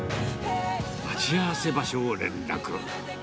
待ち合わせ場所を連絡。